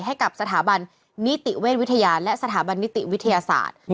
ให้กับสถาบันนิติเวชวิทยาและสถาบันนิติวิทยาศาสตร์